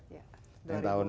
dan tahun dua ribu tujuh belas